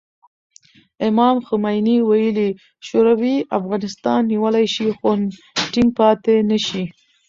امام خمیني ویلي، شوروي افغانستان نیولی شي خو ټینګ پاتې نه شي.